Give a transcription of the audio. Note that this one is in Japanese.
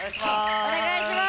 お願いします！